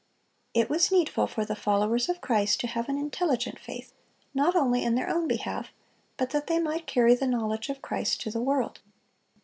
It was needful for the followers of Christ to have an intelligent faith, not only in their own behalf, but that they might carry the knowledge of Christ to the world.